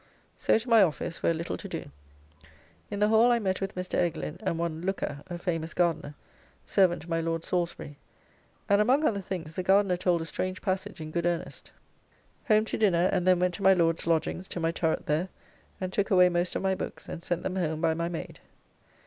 So to my office, where little to do. In the Hall I met with Mr. Eglin and one Looker, a famous gardener, servant to my Lord Salsbury, and among other things the gardener told a strange passage in good earnest.... Home to dinner, and then went to my Lord's lodgings to my turret there and took away most of my books, and sent them home by my maid.